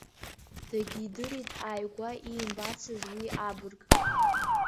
Дагьидырит ааигәа иимбацыз уи абырг.